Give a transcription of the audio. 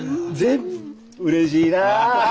うれしいな。